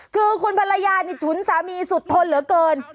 คือคุณภรรยานี่ฉุนสามีสุดทนเหลือเกิน